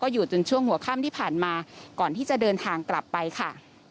อยู่จนช่วงหัวค่ำที่ผ่านมาก่อนที่จะเดินทางกลับไปค่ะ